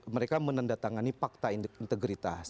mereka menandatangani fakta integritas